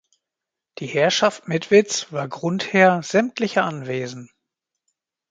Die Herrschaft Mitwitz war Grundherr sämtlicher Anwesen.